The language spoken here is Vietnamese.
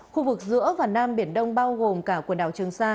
khu vực giữa và nam biển đông bao gồm cả quần đảo trường sa